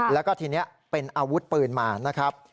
แล้วก็ทีนี้เป็นอาวุธปืนมานะครับ